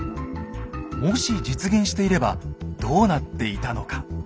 もし実現していればどうなっていたのか。